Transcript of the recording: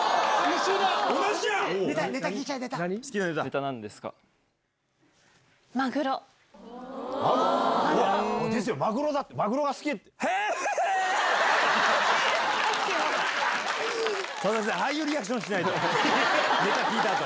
佐々木さんああいうリアクションしないと。